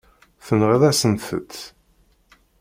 Tenɣiḍ-asent-t.